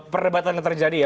perdebatan yang terjadi ya